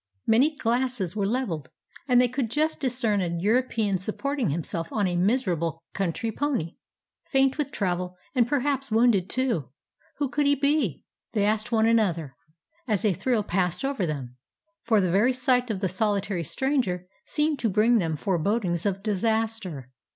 Many glasses were leveled, and they could just discern a European supporting himself on a miserable country pony, faint with travel, and per haps wounded too. Who could he be? they asked one 277 AFGHANISTAN another, as a thrill passed over them ; for the very sight of the solitary stranger seemed to bring them forebod ings of disaster.